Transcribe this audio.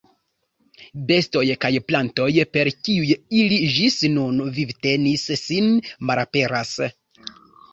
Bestoj kaj plantoj, per kiuj ili ĝis nun vivtenis sin, malaperas.